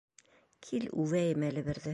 Кил, үбәйем әле берҙе!